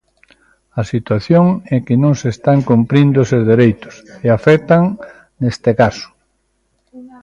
A situación é que non se están cumprindo eses dereitos, e afectan neste caso.